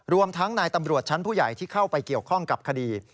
รวมทั้งนายตำรวจชั้นผู้ใหญ่ที่เข้าไปเกี่ยวข้องกับคดี